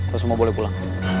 lo semua boleh pulang